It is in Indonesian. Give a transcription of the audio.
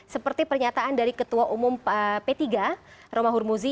seperti pernyataan dari ketua umum p tiga romah hurmuzi